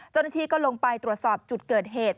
เจ้าหน้าที่ก็ลงไปตรวจสอบจุดเกิดเหตุ